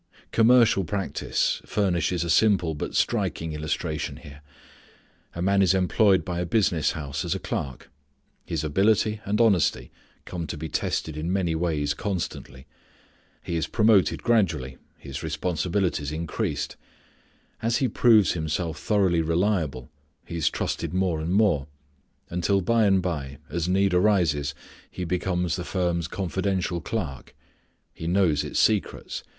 Commercial practice furnishes a simple but striking illustration here. A man is employed by a business house as a clerk. His ability and honesty come to be tested in many ways constantly. He is promoted gradually, his responsibilities increased. As he proves himself thoroughly reliable he is trusted more and more, until by and by as need arises he becomes the firm's confidential clerk. He knows its secrets.